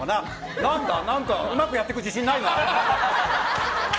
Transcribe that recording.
何かうまくやっていく自信ないな。